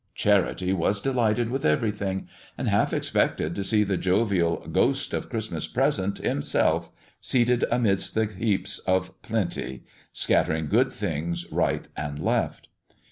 Charity was delighted with everything, and half expected to see the jovial "Ghost of Christmas Present" himself seated amidst the heaps of plenty, scattering good things right and left.